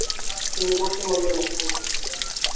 তিনি পশ্চিমবঙ্গের মুখ্যমন্ত্রী ছিলেন।